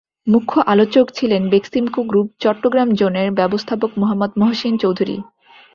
মুখ্য আলোচক ছিলেন বেক্সিমকো গ্রুপ চট্টগ্রাম জোনের ব্যবস্থাপক মুহাম্মদ মহসীন চৌধুরী।